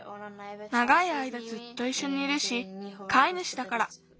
ながいあいだずっといっしょにいるしかいぬしだから。